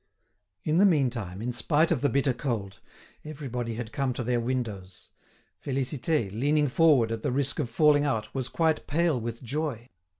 In the meantime, in spite of the bitter cold, everybody had come to their windows. Félicité, leaning forward at the risk of falling out, was quite pale with joy.